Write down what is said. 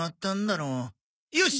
よし！